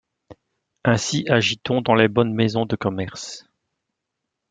Ainsi agit-on dans les bonnes maisons de commerce.